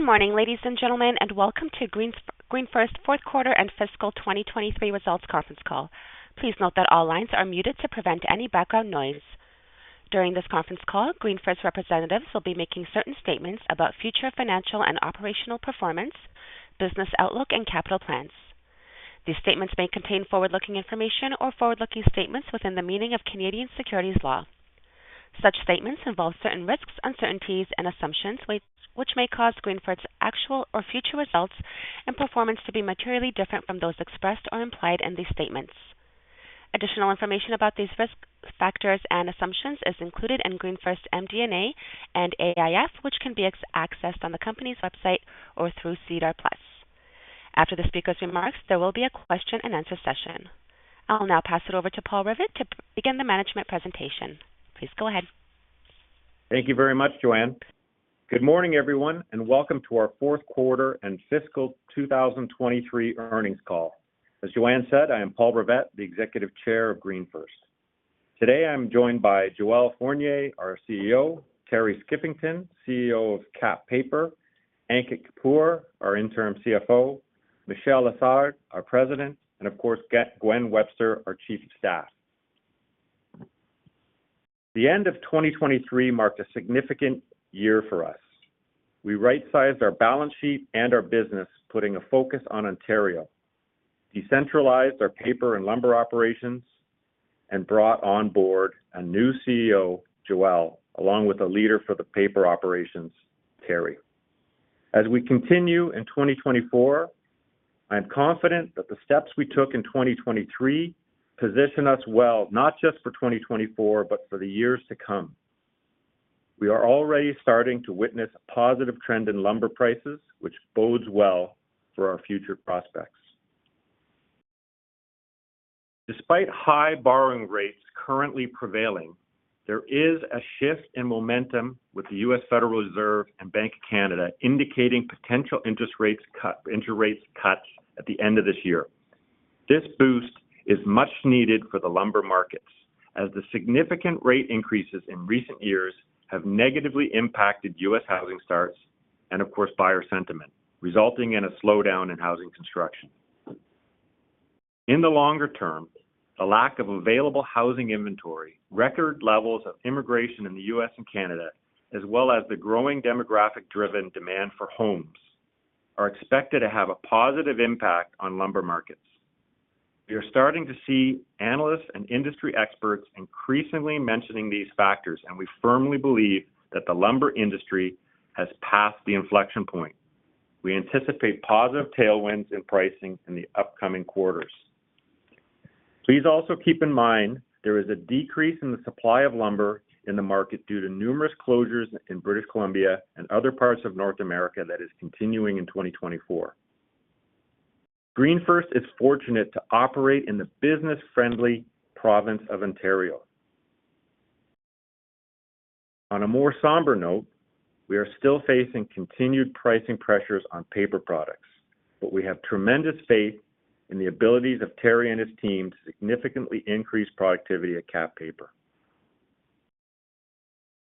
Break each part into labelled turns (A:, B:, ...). A: Good morning, ladies and gentlemen, and welcome to Green-- GreenFirst fourth quarter and fiscal 2023 results conference call. Please note that all lines are muted to prevent any background noise. During this conference call, GreenFirst representatives will be making certain statements about future financial and operational performance, business outlook, and capital plans. These statements may contain forward-looking information or forward-looking statements within the meaning of Canadian securities law. Such statements involve certain risks, uncertainties, and assumptions, which, which may cause GreenFirst's actual or future results and performance to be materially different from those expressed or implied in these statements. Additional information about these risk factors and assumptions is included in GreenFirst's MD&A and AIF, which can be accessed on the company's website or through SEDAR+. After the speaker's remarks, there will be a question-and-answer session. I'll now pass it over to Paul Rivett to begin the management presentation. Please go ahead.
B: Thank you very much, Joanne. Good morning, everyone, and welcome to our fourth quarter and fiscal 2023 earnings call. As Joanne said, I am Paul Rivett, the Executive Chair of GreenFirst. Today, I'm joined by Joel Fournier, our CEO; Terry Skiffington, CEO of Kap Paper; Ankit Kapoor, our interim CFO; Michel Lessard, our President; and of course, Gwen Webster, our Chief of Staff. The end of 2023 marked a significant year for us. We right-sized our balance sheet and our business, putting a focus on Ontario, decentralized our paper and lumber operations, and brought on board a new CEO, Joel, along with a leader for the paper operations, Terry. As we continue in 2024, I'm confident that the steps we took in 2023 position us well, not just for 2024, but for the years to come. We are already starting to witness a positive trend in lumber prices, which bodes well for our future prospects. Despite high borrowing rates currently prevailing, there is a shift in momentum with the U.S. Federal Reserve and Bank of Canada, indicating potential interest rates cuts at the end of this year. This boost is much needed for the lumber markets, as the significant rate increases in recent years have negatively impacted U.S. housing starts and, of course, buyer sentiment, resulting in a slowdown in housing construction. In the longer term, the lack of available housing inventory, record levels of immigration in the U.S. and Canada, as well as the growing demographic-driven demand for homes, are expected to have a positive impact on lumber markets. We are starting to see analysts and industry experts increasingly mentioning these factors, and we firmly believe that the lumber industry has passed the inflection point. We anticipate positive tailwinds in pricing in the upcoming quarters. Please also keep in mind there is a decrease in the supply of lumber in the market due to numerous closures in British Columbia and other parts of North America that is continuing in 2024. GreenFirst is fortunate to operate in the business-friendly province of Ontario. On a more somber note, we are still facing continued pricing pressures on paper products, but we have tremendous faith in the abilities of Terry and his team to significantly increase productivity at Kap Paper.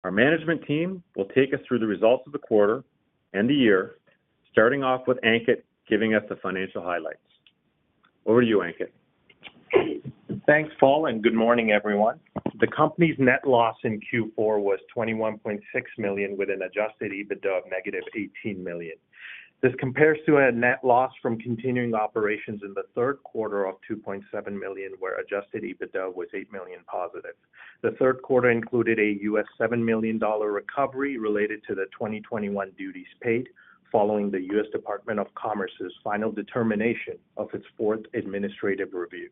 B: Our management team will take us through the results of the quarter and the year, starting off with Ankit, giving us the financial highlights. Over to you, Ankit.
C: Thanks, Paul, and good morning, everyone. The company's net loss in Q4 was 21.6 million, with an adjusted EBITDA of negative 18 million. This compares to a net loss from continuing operations in the third quarter of 2.7 million, where adjusted EBITDA was 8 million positive. The third quarter included a U.S. $7 million recovery related to the 2021 duties paid, following the U.S. Department of Commerce's final determination of its fourth administrative review.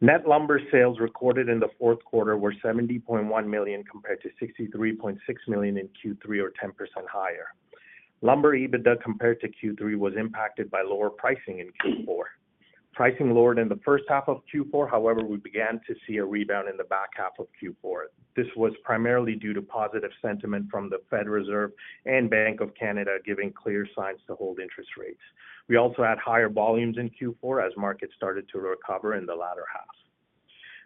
C: Net lumber sales recorded in the fourth quarter were 70.1 million, compared to 63.6 million in Q3, or 10% higher. Lumber EBITDA compared to Q3 was impacted by lower pricing in Q4. Pricing lowered in the first half of Q4, however, we began to see a rebound in the back half of Q4. This was primarily due to positive sentiment from the Federal Reserve and Bank of Canada, giving clear signs to hold interest rates. We also had higher volumes in Q4 as markets started to recover in the latter half.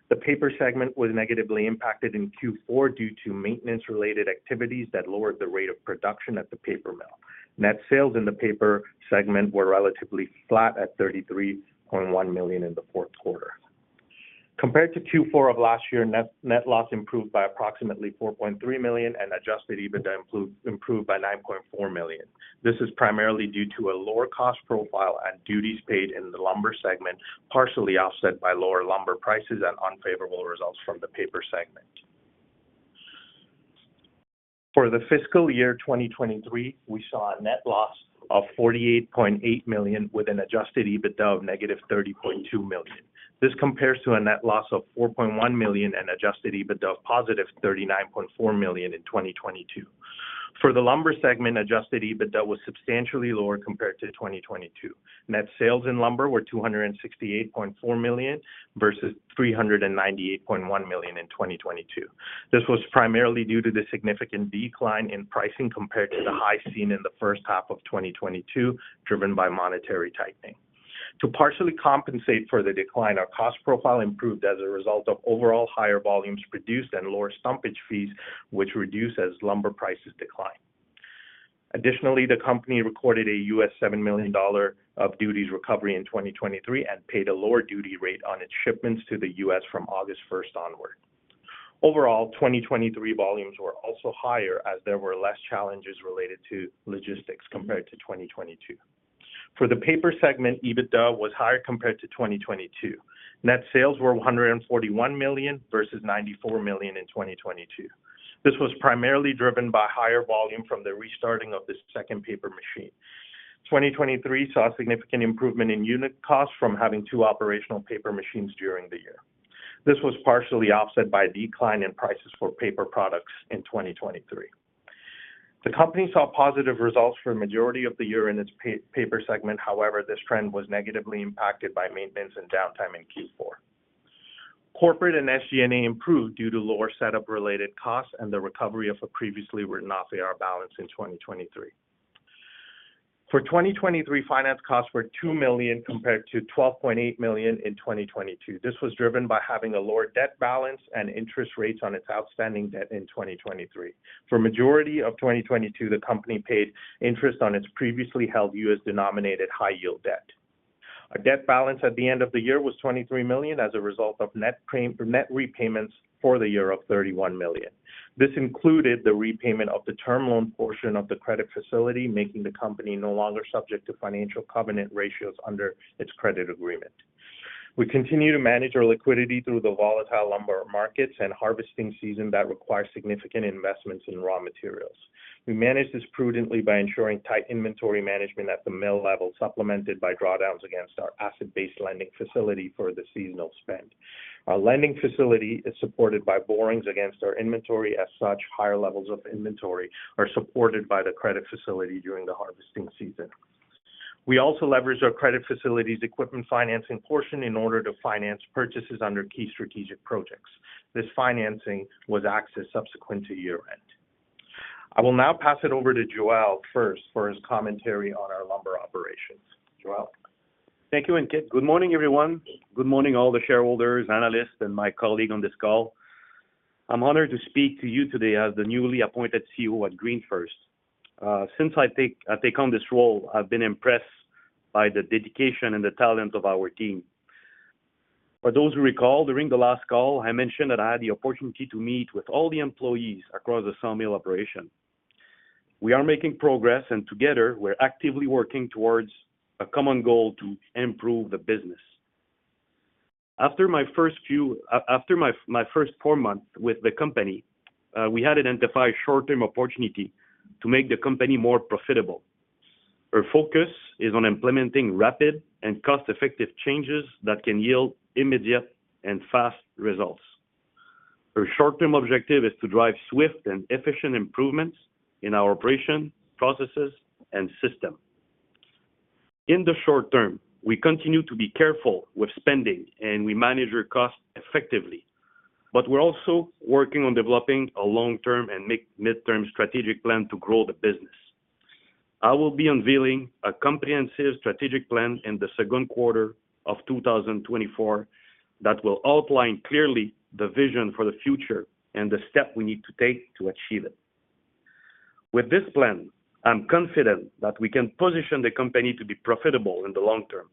C: The paper segment was negatively impacted in Q4 due to maintenance-related activities that lowered the rate of production at the paper mill. Net sales in the paper segment were relatively flat at 33.1 million in the fourth quarter. Compared to Q4 of last year, net loss improved by approximately 4.3 million, and Adjusted EBITDA improved by 9.4 million. This is primarily due to a lower cost profile and duties paid in the lumber segment, partially offset by lower lumber prices and unfavorable results from the paper segment. For the fiscal year 2023, we saw a net loss of 48.8 million, with an adjusted EBITDA of -30.2 million. This compares to a net loss of 4.1 million and adjusted EBITDA of 39.4 million in 2022. For the lumber segment, adjusted EBITDA was substantially lower compared to 2022. Net sales in lumber were 268.4 million versus 398.1 million in 2022. This was primarily due to the significant decline in pricing compared to the high seen in the first half of 2022, driven by monetary tightening.... To partially compensate for the decline, our cost profile improved as a result of overall higher volumes produced and lower stumpage fees, which reduced as lumber prices declined. Additionally, the company recorded a U.S. $7 million duties recovery in 2023, and paid a lower duty rate on its shipments to the U.S. from August 1 onward. Overall, 2023 volumes were also higher, as there were less challenges related to logistics compared to 2022. For the paper segment, EBITDA was higher compared to 2022. Net sales were 141 million versus 94 million in 2022. This was primarily driven by higher volume from the restarting of the second paper machine. 2023 saw a significant improvement in unit costs from having two operational paper machines during the year. This was partially offset by a decline in prices for paper products in 2023. The company saw positive results for a majority of the year in its paper segment; however, this trend was negatively impacted by maintenance and downtime in Q4. Corporate and SG&A improved due to lower setup-related costs and the recovery of a previously written off AR balance in 2023. For 2023, finance costs were 2 million compared to 12.8 million in 2022. This was driven by having a lower debt balance and interest rates on its outstanding debt in 2023. For majority of 2022, the company paid interest on its previously held U.S. denominated high-yield debt. Our debt balance at the end of the year was 23 million as a result of net repayments for the year of 31 million. This included the repayment of the term loan portion of the credit facility, making the company no longer subject to financial covenant ratios under its credit agreement. We continue to manage our liquidity through the volatile lumber markets and harvesting season that requires significant investments in raw materials. We manage this prudently by ensuring tight inventory management at the mill level, supplemented by drawdowns against our asset-based lending facility for the seasonal spend. Our lending facility is supported by borrowings against our inventory. As such, higher levels of inventory are supported by the credit facility during the harvesting season. We also leverage our credit facility's equipment financing portion in order to finance purchases under key strategic projects. This financing was accessed subsequent to year-end. I will now pass it over to Joel first, for his commentary on our lumber operations. Joel?
D: Thank you, and good morning, everyone. Good morning, all the shareholders, analysts, and my colleagues on this call. I'm honored to speak to you today as the newly appointed CEO at GreenFirst. Since I take on this role, I've been impressed by the dedication and the talent of our team. For those who recall, during the last call, I mentioned that I had the opportunity to meet with all the employees across the sawmill operation. We are making progress, and together, we're actively working towards a common goal to improve the business. After my first four months with the company, we had identified short-term opportunity to make the company more profitable. Our focus is on implementing rapid and cost-effective changes that can yield immediate and fast results. Our short-term objective is to drive swift and efficient improvements in our operation, processes, and system. In the short term, we continue to be careful with spending, and we manage our costs effectively, but we're also working on developing a long-term and mid-term strategic plan to grow the business. I will be unveiling a comprehensive strategic plan in the second quarter of 2024 that will outline clearly the vision for the future and the steps we need to take to achieve it. With this plan, I'm confident that we can position the company to be profitable in the long term.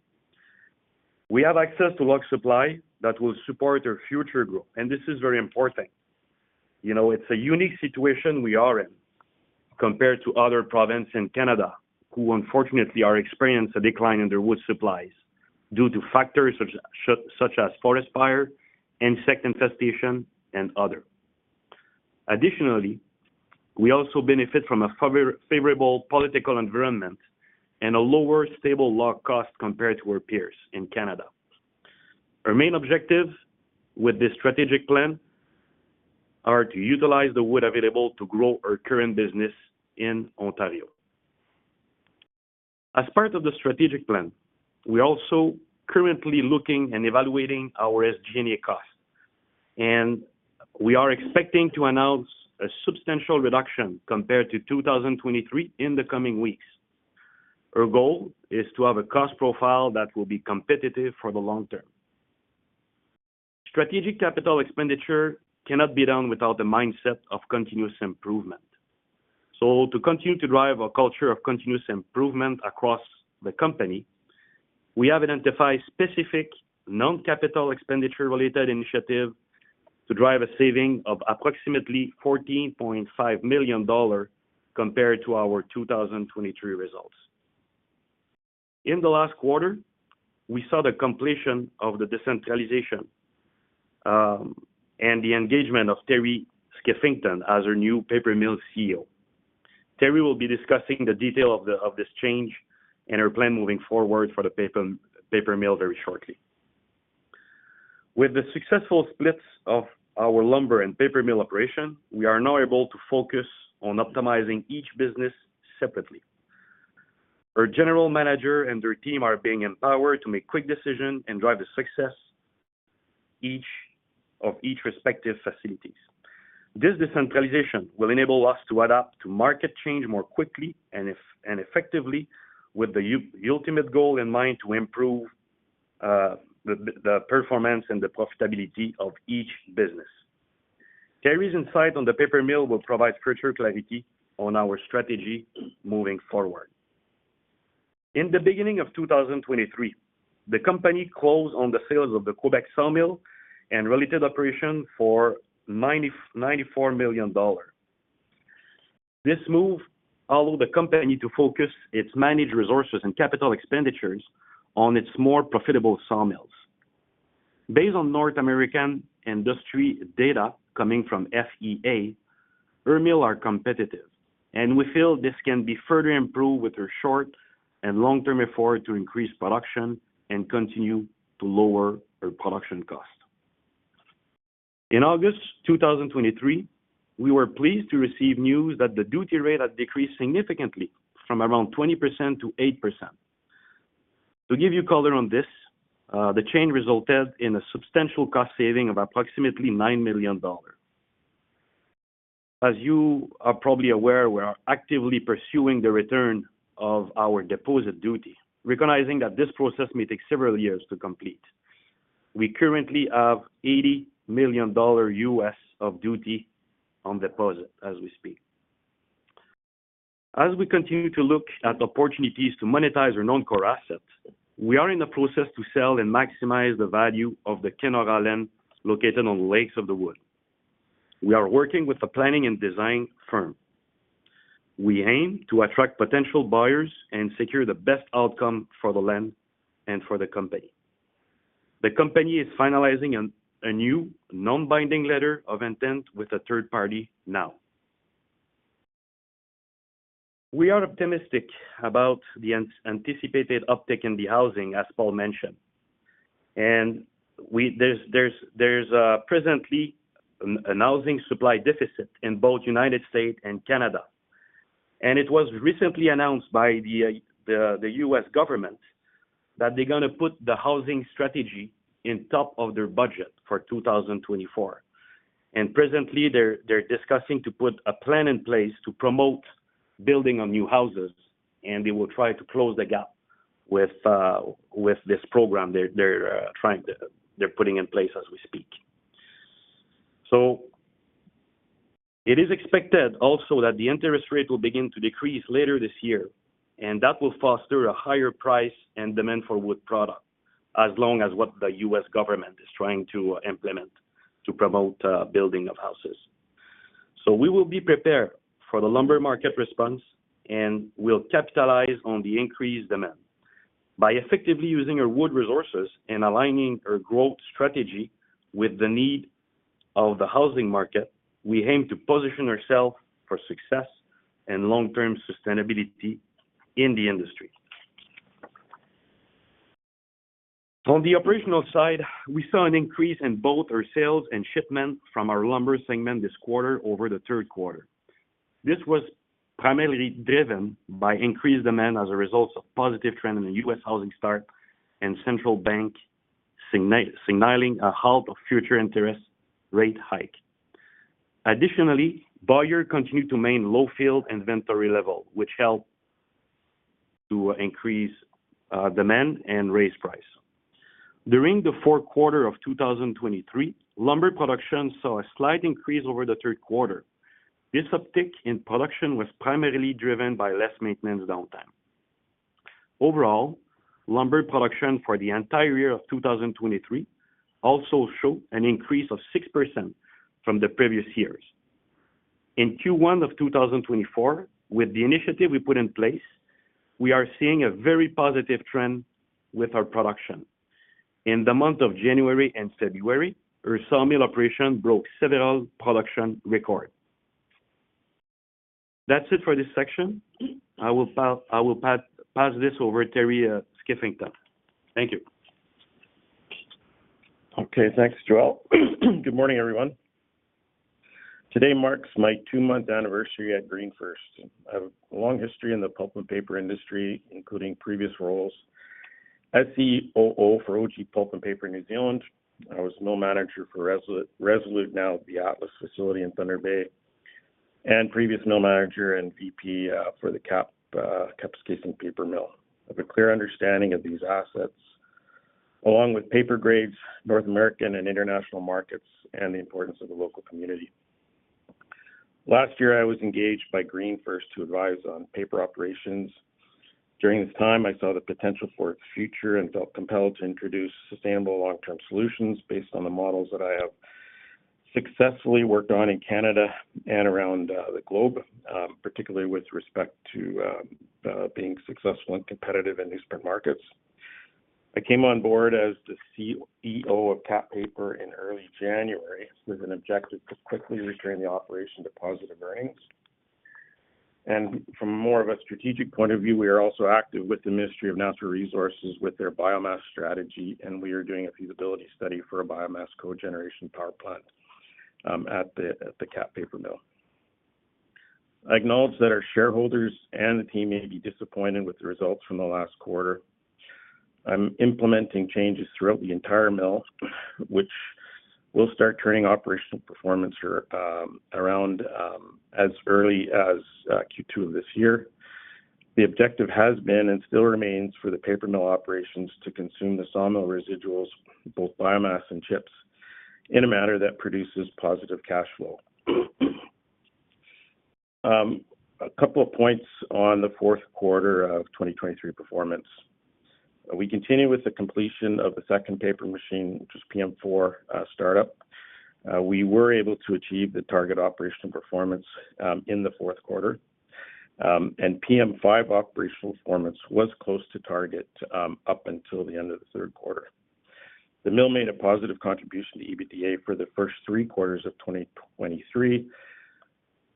D: We have access to log supply that will support our future growth, and this is very important. You know, it's a unique situation we are in compared to other provinces in Canada, who unfortunately, are experiencing a decline in their wood supplies due to factors such as forest fire, insect infestation, and other. Additionally, we also benefit from a favorable political environment and a lower, stable log cost compared to our peers in Canada. Our main objectives with this strategic plan are to utilize the wood available to grow our current business in Ontario. As part of the strategic plan, we're also currently looking and evaluating our SG&A costs, and we are expecting to announce a substantial reduction compared to 2023 in the coming weeks. Our goal is to have a cost profile that will be competitive for the long term. Strategic capital expenditure cannot be done without the mindset of continuous improvement. So to continue to drive our culture of continuous improvement across the company, we have identified specific non-capital expenditure-related initiatives to drive a saving of approximately 14.5 million dollars compared to our 2023 results. In the last quarter, we saw the completion of the decentralization and the engagement of Terry Skiffington as our new paper mill CEO. Terry will be discussing the detail of this change and our plan moving forward for the paper mill very shortly. With the successful splits of our lumber and paper mill operation, we are now able to focus on optimizing each business separately. Our general manager and their team are being empowered to make quick decisions and drive the success of each respective facilities. This decentralization will enable us to adapt to market change more quickly and effectively, with the ultimate goal in mind, to improve the performance and the profitability of each business. Terry's insight on the paper mill will provide greater clarity on our strategy moving forward. In the beginning of 2023, the company closed on the sales of the Quebec sawmill and related operation for CAD 94 million. This move allowed the company to focus its managed resources and capital expenditures on its more profitable sawmills. Based on North American industry data coming from FEA, our mills are competitive, and we feel this can be further improved with our short- and long-term effort to increase production and continue to lower our production cost. In August 2023, we were pleased to receive news that the duty rate had decreased significantly from around 20%-8%. To give you color on this, the change resulted in a substantial cost saving of approximately $9 million. As you are probably aware, we are actively pursuing the return of our deposit duty, recognizing that this process may take several years to complete. We currently have $80 million of duty on deposit as we speak. As we continue to look at opportunities to monetize our non-core assets, we are in the process to sell and maximize the value of the Kenora land located on the Lake of the Woods. We are working with a planning and design firm. We aim to attract potential buyers and secure the best outcome for the land and for the company. The company is finalizing a new non-binding letter of intent with a third party now. We are optimistic about the anticipated uptick in the housing, as Paul mentioned, and there's presently a housing supply deficit in both United States and Canada. It was recently announced by the U.S. government that they're gonna put the housing strategy at the top of their budget for 2024. Presently, they're discussing to put a plan in place to promote building on new houses, and they will try to close the gap with this program they're trying to put in place as we speak. So it is expected also that the interest rate will begin to decrease later this year, and that will foster a higher price and demand for wood product, as long as what the U.S. government is trying to implement to promote building of houses. So we will be prepared for the lumber market response and will capitalize on the increased demand. By effectively using our wood resources and aligning our growth strategy with the need of the housing market, we aim to position ourselves for success and long-term sustainability in the industry. On the operational side, we saw an increase in both our sales and shipments from our lumber segment this quarter over the third quarter. This was primarily driven by increased demand as a result of positive trend in the U.S. housing start and central bank signaling a halt of future interest rate hike. Additionally, buyers continued to maintain low field inventory level, which helped to increase demand and raise price. During the fourth quarter of 2023, lumber production saw a slight increase over the third quarter. This uptick in production was primarily driven by less maintenance downtime. Overall, lumber production for the entire year of 2023 also showed an increase of 6% from the previous years. In Q1 of 2024, with the initiative we put in place, we are seeing a very positive trend with our production. In the month of January and February, our sawmill operation broke several production records. That's it for this section. I will pass this over to Terry Skiffington. Thank you.
E: Okay. Thanks, Joel. Good morning, everyone. Today marks my two-month anniversary at GreenFirst. I have a long history in the pulp and paper industry, including previous roles as CEO for Oji Pulp and Paper, New Zealand. I was mill manager for Resolute, Resolute, now the Atlas facility in Thunder Bay, and previous mill manager and VP for the Kapuskasing Paper Mill. I have a clear understanding of these assets, along with paper grades, North American and international markets, and the importance of the local community. Last year, I was engaged by GreenFirst to advise on paper operations. During this time, I saw the potential for its future and felt compelled to introduce sustainable long-term solutions based on the models that I have successfully worked on in Canada and around the globe, particularly with respect to being successful and competitive in these markets. I came on board as the CEO of Kap Paper in early January, with an objective to quickly return the operation to positive earnings. And from more of a strategic point of view, we are also active with the Ministry of Natural Resources, with their biomass strategy, and we are doing a feasibility study for a biomass cogeneration power plant at the Kap Paper Mill. I acknowledge that our shareholders and the team may be disappointed with the results from the last quarter. I'm implementing changes throughout the entire mill, which will start turning operational performance around as early as Q2 of this year. The objective has been, and still remains, for the paper mill operations to consume the sawmill residuals, both biomass and chips, in a manner that produces positive cash flow. A couple of points on the fourth quarter of 2023 performance. We continue with the completion of the second paper machine, which is PM4, startup. We were able to achieve the target operational performance in the fourth quarter. PM5 operational performance was close to target up until the end of the third quarter. The mill made a positive contribution to EBITDA for the first three quarters of 2023.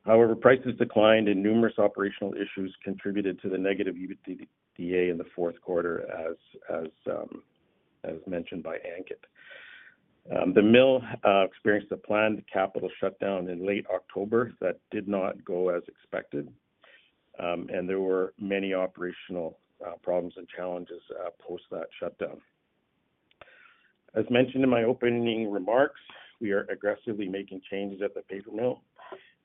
E: However, prices declined and numerous operational issues contributed to the negative EBITDA in the fourth quarter, as mentioned by Ankit. The mill experienced a planned capital shutdown in late October that did not go as expected, and there were many operational problems and challenges post that shutdown. As mentioned in my opening remarks, we are aggressively making changes at the paper mill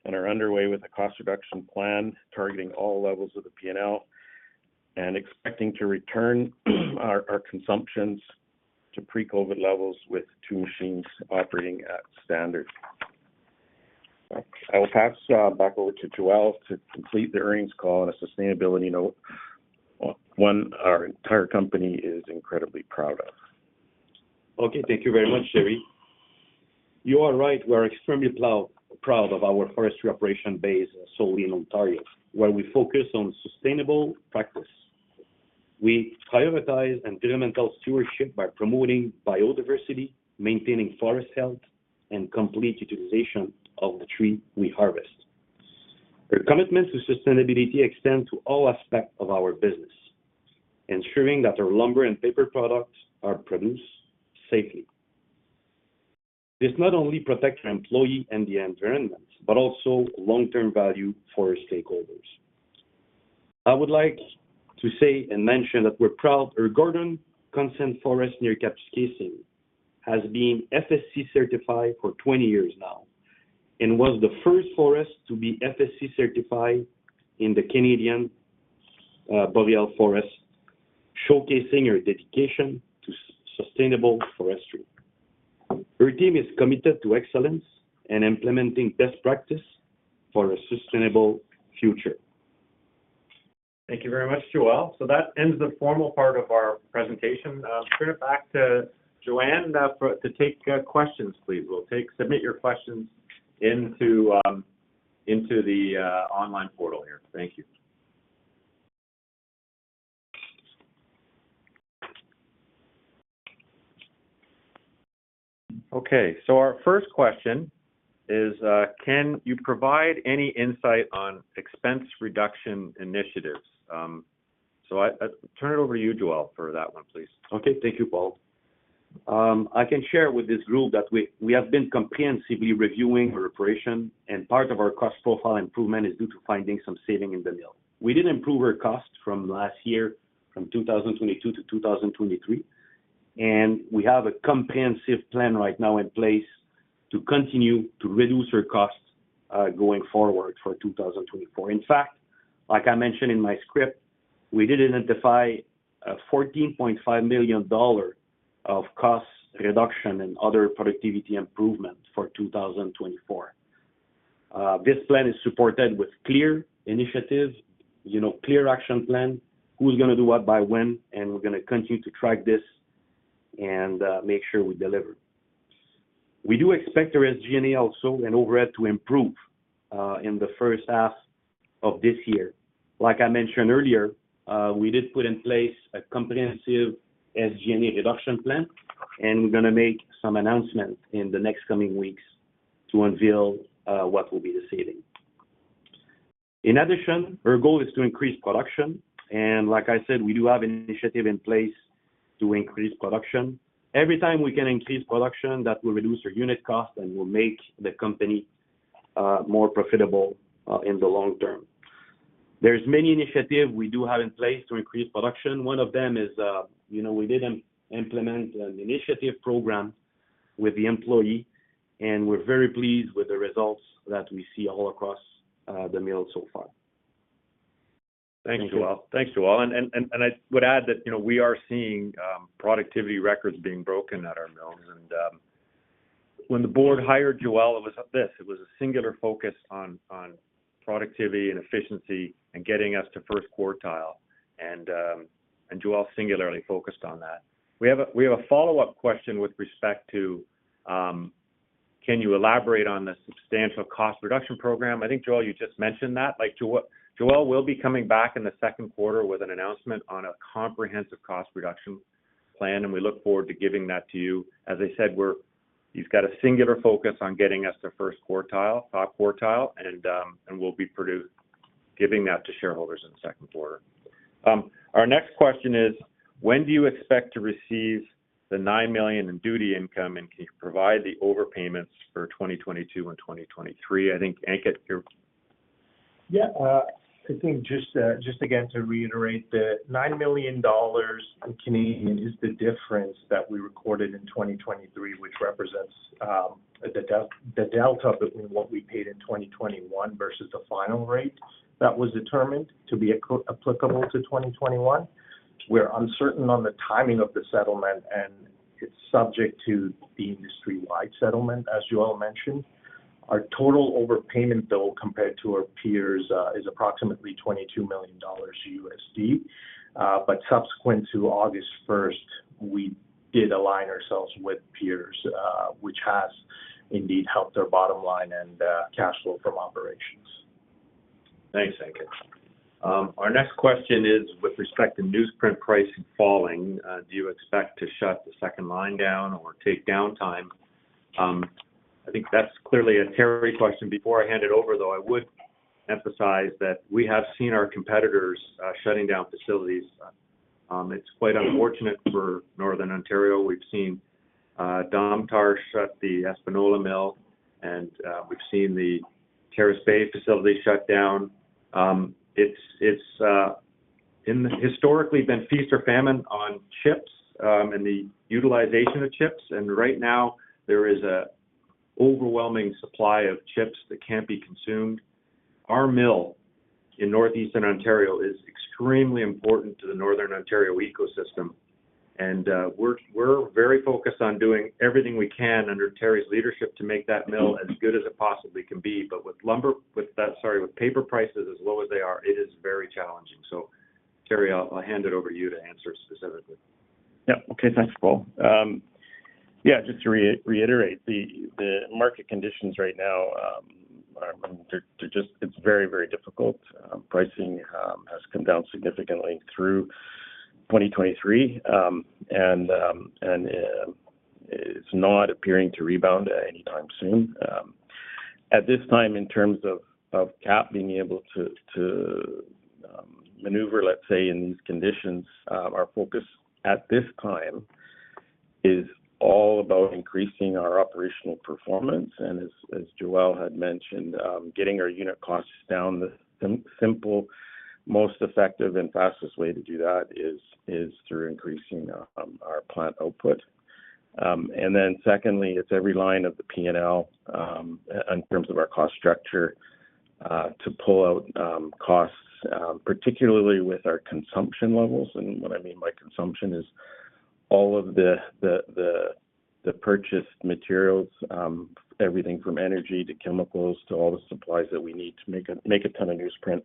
E: and are underway with a cost reduction plan targeting all levels of the P&L, and expecting to return our consumptions to pre-COVID levels with two machines operating at standard. I will pass back over to Joel to complete the earnings call on a sustainability note, one our entire company is incredibly proud of.
D: Okay, thank you very much, Terry. You are right, we are extremely proud of our forestry operation base solely in Ontario, where we focus on sustainable practice. We prioritize environmental stewardship by promoting biodiversity, maintaining forest health, and complete utilization of the tree we harvest. Our commitment to sustainability extends to all aspects of our business, ensuring that our lumber and paper products are produced safely. This not only protects our employee and the environment, but also long-term value for our stakeholders. I would like to say and mention that we're proud our Gordon Cosens Forest, near Kapuskasing, has been FSC certified for 20 years now and was the first forest to be FSC certified in the Canadian Boreal Forest, showcasing our dedication to sustainable forestry. Our team is committed to excellence and implementing best practice for a sustainable future.
B: Thank you very much, Joel. So that ends the formal part of our presentation. Turn it back to Joanne to take questions, please. We'll take... Submit your questions into the online portal here. Thank you. Okay, so our first question is: Can you provide any insight on expense reduction initiatives? So I turn it over to you, Joel, for that one, please.
D: Okay, thank you, Paul. I can share with this group that we, we have been comprehensively reviewing our operation, and part of our cost profile improvement is due to finding some saving in the mill. We did improve our costs from last year, from 2022-2023, and we have a comprehensive plan right now in place to continue to reduce our costs going forward for 2024. In fact, like I mentioned in my script, we did identify 14.5 million dollar of cost reduction and other productivity improvements for 2024. This plan is supported with clear initiatives, you know, clear action plan, who's gonna do what by when, and we're gonna continue to track this and make sure we deliver. We do expect our SG&A also and overhead to improve, in the first half of this year. Like I mentioned earlier, we did put in place a comprehensive SG&A reduction plan, and we're gonna make some announcements in the next coming weeks to unveil, what will be the saving. In addition, our goal is to increase production, and like I said, we do have an initiative in place to increase production. Every time we can increase production, that will reduce our unit cost and will make the company, more profitable, in the long term. There's many initiatives we do have in place to increase production. One of them is, you know, we did implement an initiative program with the employee, and we're very pleased with the results that we see all across, the mill so far.
B: Thank you, Joel. Thanks, Joel. And I would add that, you know, we are seeing productivity records being broken at our mills. And when the board hired Joel, it was a singular focus on productivity and efficiency and getting us to first quartile. And Joel singularly focused on that. We have a follow-up question with respect to can you elaborate on the substantial cost reduction program? I think, Joel, you just mentioned that. Like, Joel, Joel will be coming back in the second quarter with an announcement on a comprehensive cost reduction plan, and we look forward to giving that to you. As I said, he's got a singular focus on getting us to first quartile, top quartile, and we'll be giving that to shareholders in the second quarter. Our next question is: When do you expect to receive the $9 million in duty income, and can you provide the overpayments for 2022 and 2023? I think, Ankit, you're-
C: Yeah, I think just, just again, to reiterate, the 9 million dollars is the difference that we recorded in 2023, which represents the delta between what we paid in 2021 versus the final rate that was determined to be applicable to 2021. We're uncertain on the timing of the settlement, and it's subject to the industry-wide settlement, as Joel mentioned. Our total overpayment, though, compared to our peers, is approximately $22 million. But subsequent to August 1, we did align ourselves with peers, which has indeed helped our bottom line and cash flow from operations.
B: Thanks, Ankit. Our next question is, with respect to newsprint pricing falling, do you expect to shut the second line down or take downtime? I think that's clearly a Terry question. Before I hand it over, though, I would emphasize that we have seen our competitors shutting down facilities. It's quite unfortunate for Northern Ontario. We've seen Domtar shut the Espanola mill, and we've seen the Terrace Bay facility shut down. It's historically been feast or famine on chips, and the utilization of chips, and right now, there is an overwhelming supply of chips that can't be consumed. Our mill in northeastern Ontario is extremely important to the Northern Ontario ecosystem, and we're very focused on doing everything we can under Terry's leadership to make that mill as good as it possibly can be. But sorry, with paper prices as low as they are, it is very challenging. So Terry, I'll hand it over to you to answer specifically.
E: Yeah. Okay, thanks, Paul. Yeah, just to reiterate, the market conditions right now, they're just—it's very, very difficult. Pricing has come down significantly through 2023, and it's not appearing to rebound anytime soon. At this time, in terms of Kap being able to maneuver, let's say, in these conditions, our focus at this time is all about increasing our operational performance, and as Joel had mentioned, getting our unit costs down. The simple, most effective, and fastest way to do that is through increasing our plant output. And then secondly, it's every line of the P&L, in terms of our cost structure, to pull out costs, particularly with our consumption levels. What I mean by consumption is all of the purchased materials, everything from energy to chemicals to all the supplies that we need to make a ton of newsprint,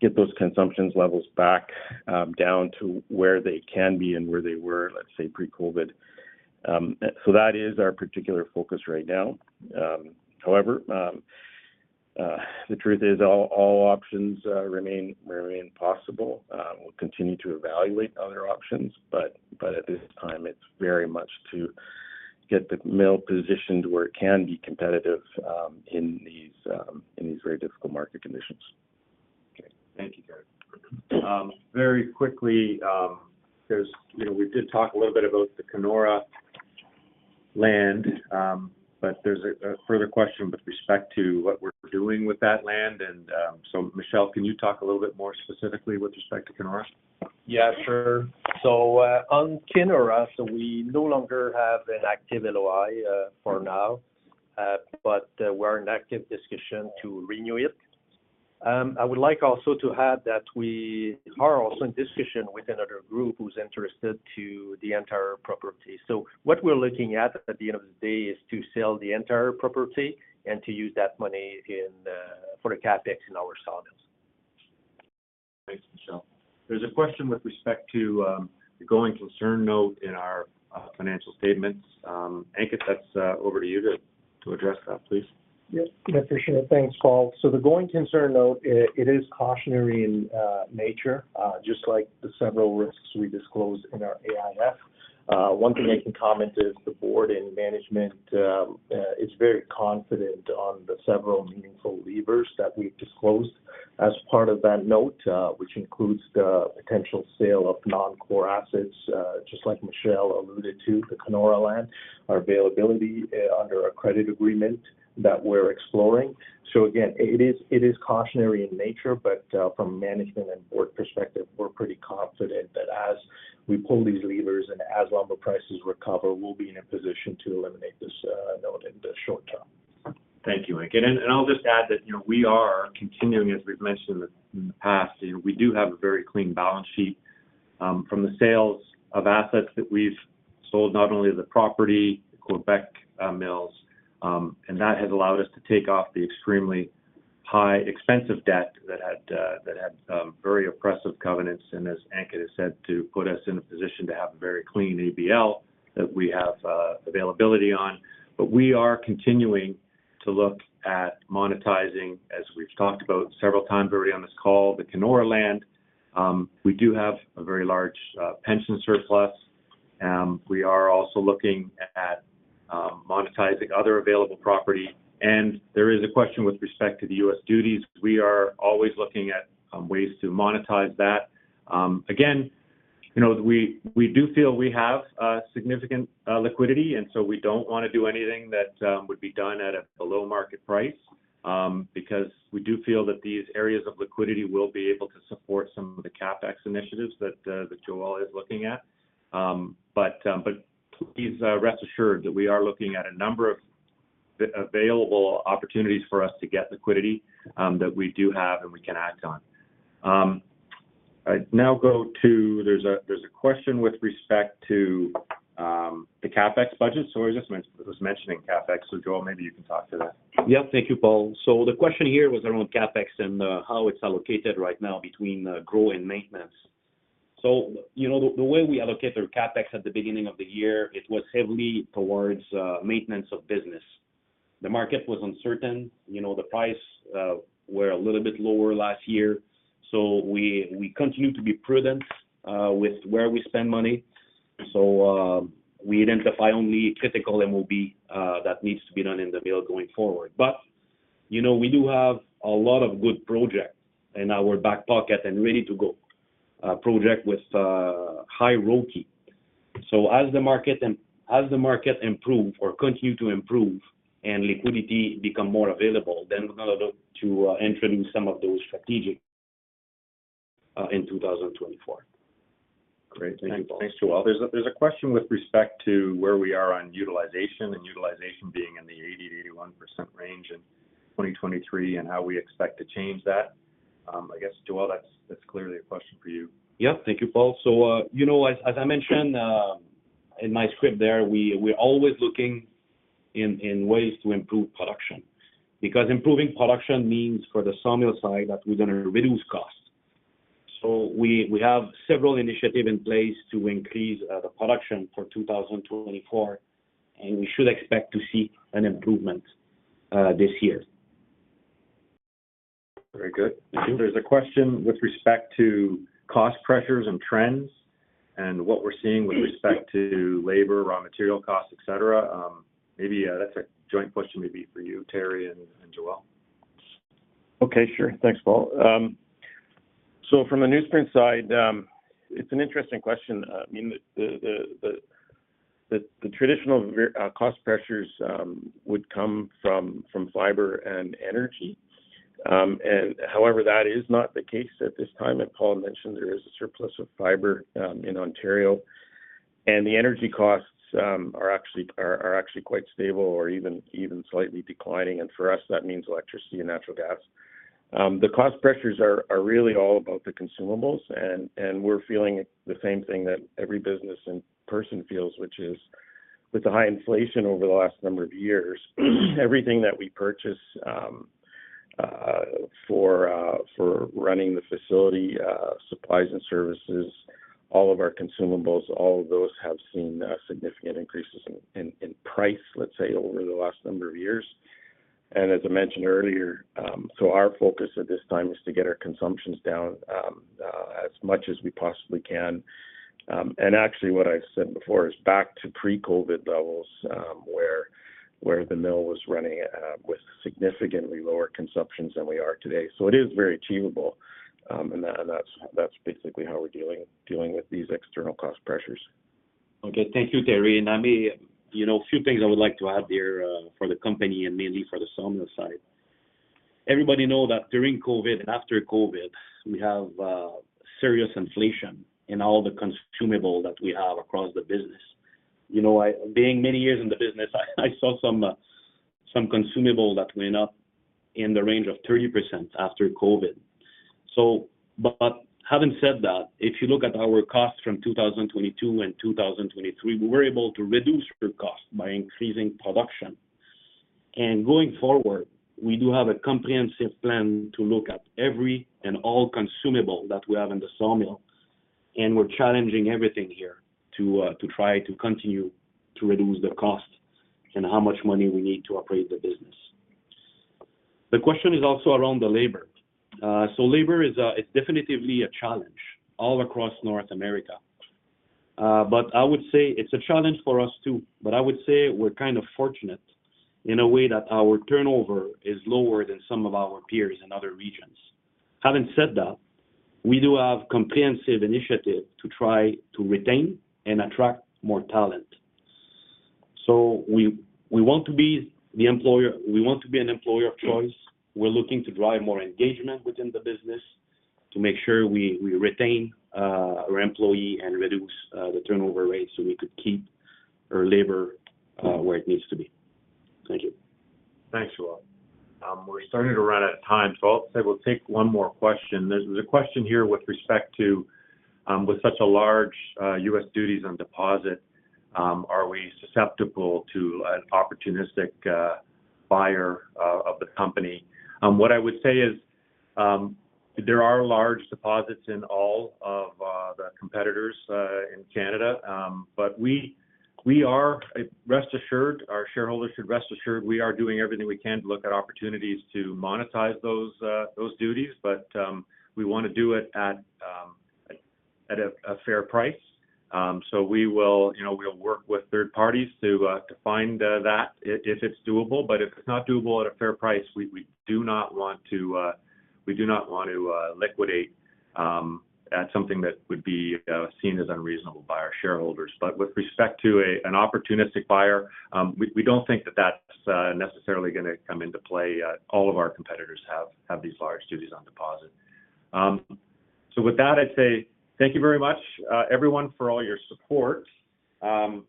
E: get those consumption levels back down to where they can be and where they were, let's say, pre-COVID. So that is our particular focus right now. However, the truth is all options remain possible. We'll continue to evaluate other options, but at this time, it's very much to get the mill positioned where it can be competitive in these very difficult market conditions.
B: Okay. Thank you, Terry. Very quickly, there's, you know, we did talk a little bit about the Kenora land, but there's a further question with respect to what we're doing with that land and, so Michel, can you talk a little bit more specifically with respect to Kenora?
F: Yeah, sure. So, on Kenora, so we no longer have an active LOI, for now, but, we're in active discussion to renew it. I would like also to add that we are also in discussion with another group who's interested to the entire property. So what we're looking at, at the end of the day, is to sell the entire property and to use that money in, for the CapEx in our sawmills.
B: Thanks, Michel. There's a question with respect to the going concern note in our financial statements. Ankit, that's over to you to address that, please.
C: Yes, for sure. Thanks, Paul. So the going concern note, it is cautionary in nature, just like the several risks we disclosed in our AIF. One thing I can comment is the board and management is very confident on the several meaningful levers that we've disclosed as part of that note, which includes the potential sale of non-core assets, just like Michel alluded to, the Kenora land, our availability under our credit agreement that we're exploring. So again, it is cautionary in nature, but from a management and board perspective, we're pretty confident that as we pull these levers and as lumber prices recover, we'll be in a position to eliminate this note in the short term.
B: Thank you, Ankit. I'll just add that, you know, we are continuing, as we've mentioned in the past, you know, we do have a very clean balance sheet from the sales of assets that we've sold, not only the property, the Quebec mills, and that has allowed us to take off the extremely high, expensive debt that had very oppressive covenants, and as Ankit has said, to put us in a position to have a very clean ABL that we have availability on. But we are continuing to look at monetizing, as we've talked about several times already on this call, the Kenora land. We do have a very large pension surplus. We are also looking at monetizing other available property, and there is a question with respect to the U.S. duties. We are always looking at ways to monetize that. Again, you know, we, we do feel we have significant liquidity, and so we don't wanna do anything that would be done at a below-market price, because we do feel that these areas of liquidity will be able to support some of the CapEx initiatives that Joel is looking at. But please rest assured that we are looking at a number of available opportunities for us to get liquidity that we do have, and we can act on. I now go to. There's a question with respect to the CapEx budget. So I just was mentioning CapEx. So Joel, maybe you can talk to that.
D: Yeah. Thank you, Paul. So the question here was around CapEx and how it's allocated right now between growth and maintenance. So, you know, the way we allocate our CapEx at the beginning of the year, it was heavily towards maintenance of business. The market was uncertain. You know, the prices were a little bit lower last year, so we continue to be prudent with where we spend money. So, we identify only critical MOB that needs to be done in the mill going forward. But, you know, we do have a lot of good projects in our back pocket and ready to go, projects with high ROI. As the market improve or continue to improve and liquidity become more available, then we're gonna look to introduce some of those strategic in 2024.
B: Great.
D: Thanks, Paul.
B: Thanks. Thanks, Joel. There's a, there's a question with respect to where we are on utilization, and utilization being in the 80%-81% range in 2023, and how we expect to change that. I guess, Joel, that's, that's clearly a question for you.
D: Yep. Thank you, Paul. So, you know, as I mentioned in my script there, we're always looking in ways to improve production because improving production means for the sawmill side that we're gonna reduce costs. So we have several initiative in place to increase the production for 2024, and we should expect to see an improvement this year.
B: Very good.
D: Thank you.
B: There's a question with respect to cost pressures and trends and what we're seeing with respect to labor, raw material costs, et cetera. Maybe, that's a joint question maybe for you, Terry and Joel.
E: Okay, sure. Thanks, Paul. So from the newsprint side, it's an interesting question. I mean, the traditional cost pressures would come from fiber and energy. And however, that is not the case at this time. As Paul mentioned, there is a surplus of fiber in Ontario, and the energy costs are actually quite stable or even slightly declining, and for us, that means electricity and natural gas. The cost pressures are really all about the consumables, and we're feeling the same thing that every business and person feels, which is with the high inflation over the last number of years, everything that we purchase for running the facility, supplies and services, all of our consumables, all of those have seen significant increases in price, let's say, over the last number of years. And as I mentioned earlier, so our focus at this time is to get our consumptions down as much as we possibly can. And actually, what I've said before is back to pre-COVID levels, where the mill was running with significantly lower consumptions than we are today. It is very achievable, and that's basically how we're dealing with these external cost pressures.
D: Okay. Thank you, Terry, and I may... You know, a few things I would like to add there for the company and mainly for the sawmill side. Everybody know that during COVID and after COVID, we have serious inflation in all the consumable that we have across the business. You know, I being many years in the business, I saw some consumable that went up in the range of 30% after COVID. So but having said that, if you look at our costs from 2022 and 2023, we were able to reduce our costs by increasing production. Going forward, we do have a comprehensive plan to look at every and all consumable that we have in the sawmill, and we're challenging everything here to try to continue to reduce the cost and how much money we need to operate the business. The question is also around the labor. Labor is definitively a challenge all across North America. But I would say it's a challenge for us, too, but I would say we're kind of fortunate in a way that our turnover is lower than some of our peers in other regions. Having said that, we do have comprehensive initiative to try to retain and attract more talent. We want to be the employer of choice. We want to be an employer of choice. We're looking to drive more engagement within the business to make sure we retain our employee and reduce the turnover rate, so we could keep our labor where it needs to be. Thank you.
B: Thanks, Joel. We're starting to run out of time, so I'll say we'll take one more question. There's a question here with respect to, with such a large, U.S. duties on deposit, are we susceptible to an opportunistic, buyer, of the company? What I would say is, there are large deposits in all of, the competitors, in Canada. But rest assured, our shareholders should rest assured we are doing everything we can to look at opportunities to monetize those, those duties, but, we wanna do it at, at a, a fair price. So we will, you know, we'll work with third parties to, to find, that if it's doable. But if it's not doable at a fair price, we do not want to liquidate at something that would be seen as unreasonable by our shareholders. But with respect to an opportunistic buyer, we don't think that that's necessarily gonna come into play. All of our competitors have these large duties on deposit. So with that, I'd say thank you very much, everyone, for all your support. And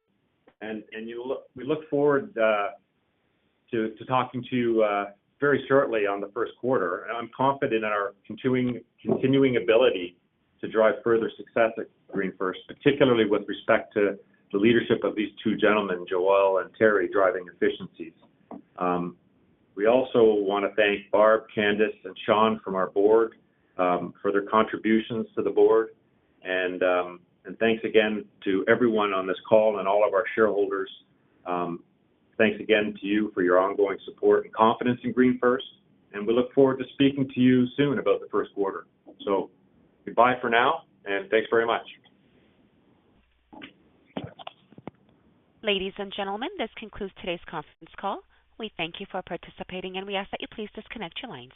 B: we look forward to talking to you very shortly on the first quarter. And I'm confident in our continuing ability to drive further success at GreenFirst, particularly with respect to the leadership of these two gentlemen, Joel and Terry, driving efficiencies. We also wanna thank Barb, Candace, and Sean from our board for their contributions to the board. And thanks again to everyone on this call and all of our shareholders. Thanks again to you for your ongoing support and confidence in GreenFirst, and we look forward to speaking to you soon about the first quarter. So goodbye for now, and thanks very much.
A: Ladies and gentlemen, this concludes today's conference call. We thank you for participating, and we ask that you please disconnect your lines.